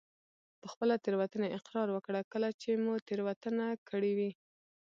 په خپله تېروتنه اقرار وکړه کله چې مو تېروتنه کړي وي.